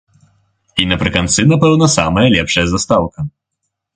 І напрыканцы, напэўна, самая лепшая застаўка.